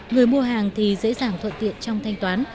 người mua hàng thì dễ dàng thuận tiện trong thanh toán